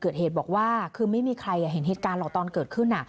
เกิดเหตุบอกว่าคือไม่มีใครเห็นเหตุการณ์หรอกตอนเกิดขึ้น